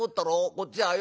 こっちはよ